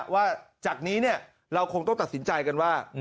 ว่าจากนี้เราคงต้องตัดสินใจกันว่า